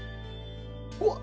うわっ！